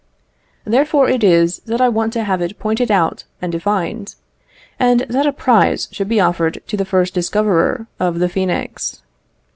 Therefore it is that I want to have it pointed out and defined, and that a prize should be offered to the first discoverer of the phœnix.